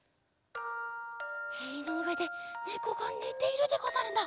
へいのうえでねこがねているでござるな。